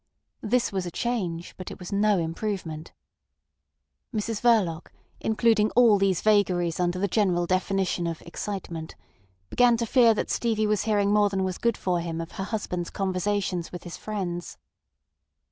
This was a change, but it was no improvement. Mrs Verloc including all these vagaries under the general definition of excitement, began to fear that Stevie was hearing more than was good for him of her husband's conversations with his friends.